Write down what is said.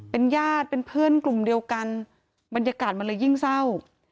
เป็นญาติเป็นเพื่อนกลุ่มเดียวกันบรรยากาศมันเลยยิ่งเศร้า